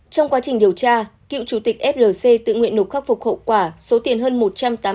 trong quá trình điều tra cựu chủ tịch flc tự nguyện nộp khắc phục hậu quả